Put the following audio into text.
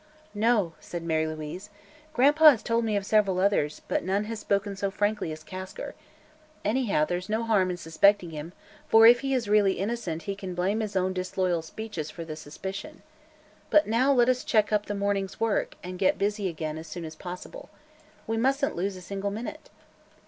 "No," said Mary Louise; "Gran'pa has told me of several others; but none has spoken so frankly as Kasker. Anyhow, there's no harm in suspecting him, for if he is really innocent he can blame his own disloyal speeches for the suspicion. But now let us check up the morning's work and get busy again as soon as possible. We mustn't lose a single minute."